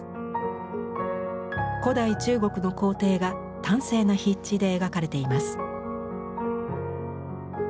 古代中国の皇帝が端正な筆致で描かれています。